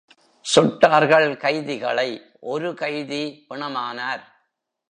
சுட்டார்கள் கைதிகளை ஒரு கைதி பிணமானார்.